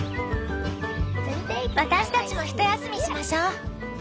私たちもひと休みしましょ。